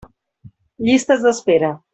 Llistes d'espera.